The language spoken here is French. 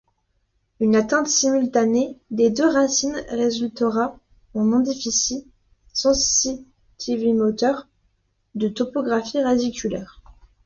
Une atteinte simultanée des deux racines résultera en un déficit sensitivomoteur de topographie radiculaire.